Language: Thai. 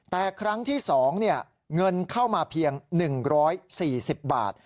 แต่ครั้งที่๒เงินเข้ามาเพียง๑๔๐บาท